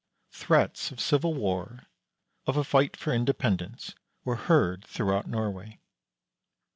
Threats of civil war, of a fight for independence, were heard throughout Norway.